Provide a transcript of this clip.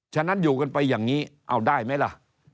ฉะนั้นอยู่กันไปอย่างนี้เอาได้ไหมล่ะ